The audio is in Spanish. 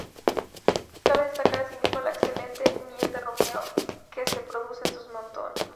Cabe destacar asimismo la excelente miel de romero que se produce en sus montes.